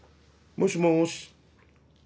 もしもし。